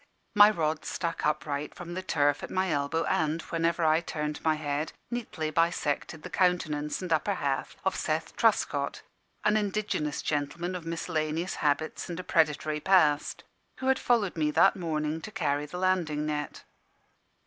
My rod stuck upright from the turf at my elbow, and, whenever I turned my head, neatly bisected the countenance and upper half of Seth Truscott, an indigenous gentleman of miscellaneous habits and a predatory past, who had followed me that morning to carry the landing net.